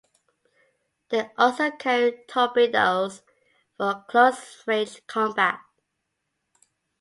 They also carried torpedoes for close-range combat.